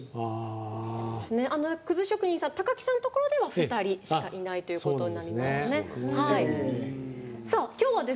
葛職人さん高木さんのところには２人しかいないということになります。